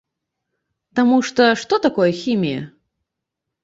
Таму што што такое хімія?